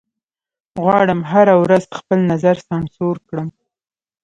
غواړم هره ورځ خپل نظر سانسور کړم